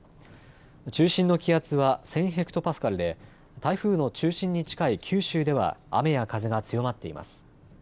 中心の気圧は１０００ヘクトパスカルで、台風の中心に近い九州では、雨や風が強まっています。